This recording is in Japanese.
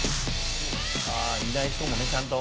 いない人もねちゃんと。